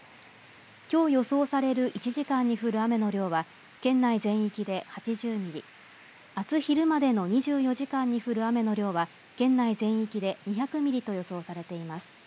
きょう予想される１時間に降る雨の量は県内全域で８０ミリ、あす昼までの２４時間に降る雨の量は県内全域で２００ミリと予想されています。